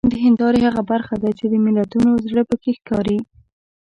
د هیندارې هغه برخه ده چې د ملتونو زړه پکې ښکاري.